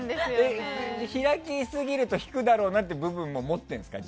開きすぎると引くだろうなって部分も持っているんですか？